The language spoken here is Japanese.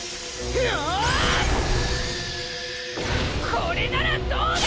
これならどうだ！！